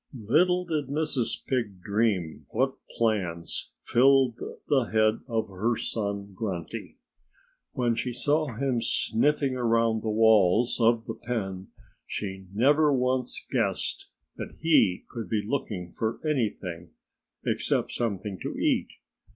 Little did Mrs. Pig dream what plans filled the head of her son Grunty. When she saw him sniffing around the walls of the pen she never once guessed that he could be looking for anything except something to eat.